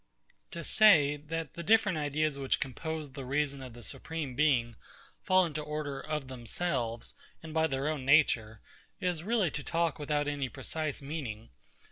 To say, that the different ideas which compose the reason of the Supreme Being, fall into order of themselves, and by their own nature, is really to talk without any precise meaning.